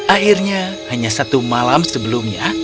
akhirnya hanya satu malam sebelumnya